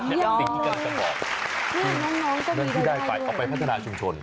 เห็นอย่างน้อยนั่นที่ได้ไปออกไปพัฒนาชุมชน